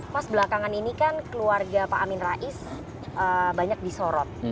mas belakangan ini kan keluarga pak amin rais banyak disorot